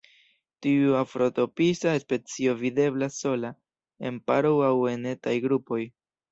Tiu afrotropisa specio videblas sola, en paroj aŭ en etaj grupoj.